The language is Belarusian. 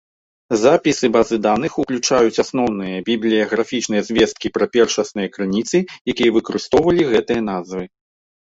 Запісы базы даных уключаюць асноўныя бібліяграфічныя звесткі пра першасныя крыніцы, якія выкарыстоўвалі гэтыя назвы.